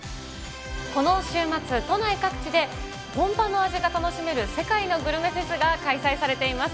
この週末、都内各地で本場の味が楽しめる、世界のグルメフェスが開催されています。